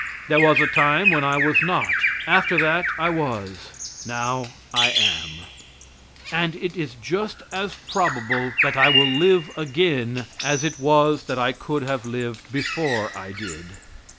There was a time when I was not; after that I was; now I am. And it is just as probable that I will live again as it was that I could have lived before I did.